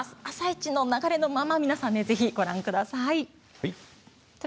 「あさイチ」の流れのままぜひご覧ください。